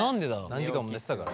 何時間も寝てたから。